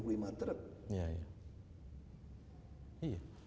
gimana bisa ada dua puluh lima truk di satu titik